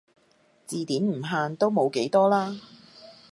字典唔限都冇幾多啦